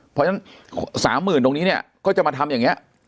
เพราะฉะนั้น๓๐๐๐ตรงนี้เนี่ยก็จะมาทำอย่างนี้